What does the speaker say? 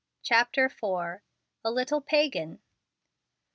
CHAPTER IV. A LITTLE PAGAN.